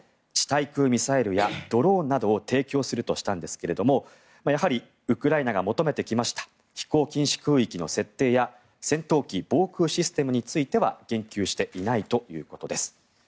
地対空ミサイルやドローンなどを提供するとしたんですがやはりウクライナが求めてきました飛行禁止空域の設定や戦闘機、防空システムについては言及していないということです。